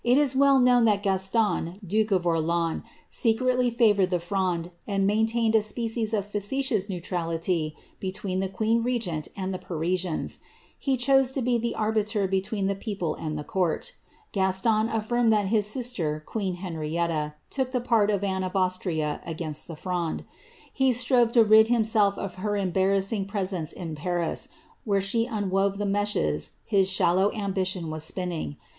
U is well known diat Gaston, 6vke of Orieans, secretly fiivoured the Fronde, and maintained a species of fiictious neutrality between the queen regent and the Fari aians; he chose to be the arbiter between the people and the eouit Gaston affirmed that his sister, queen Henrietta, took the pert of Anne of Austria against the Fronde. He strove to rid himself or her embai^ rassing presence in Paris, wliere she unwove the meshea hia aUlow ambition was spinning.